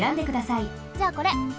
じゃあこれ！